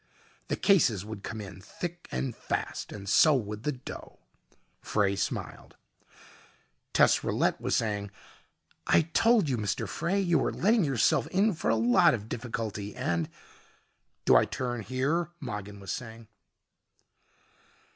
The cases would come in thick and fast, and so would the dough. Frey smiled. Tess Rillette was saying, "I told you, Mr. Frey you were letting yourself in for a lot of difficulty, and " "Do I turn here?" Mogin was saying.